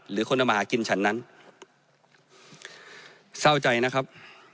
หรือคนเอามาหากินฉันนั้นเศร้าใจนะครับ